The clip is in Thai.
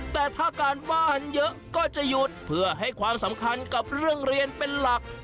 แต่ถ้าการว่านเยอะก็จะหยุดเพื่อให้ความสำคัญกับเรื่องเรียนเป็นหลัก